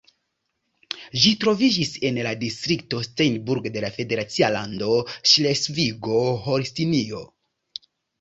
Ĝi troviĝis en la distrikto Steinburg de la federacia lando Ŝlesvigo-Holstinio.